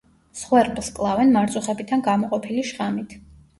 მსხვერპლს კლავენ მარწუხებიდან გამოყოფილი შხამით.